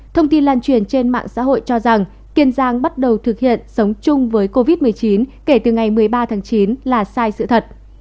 thông tin lan truyền trên mạng xã hội cho rằng kiên giang bắt đầu thực hiện sống chung với covid một mươi chín kể từ ngày một mươi ba tháng chín là sai sự thật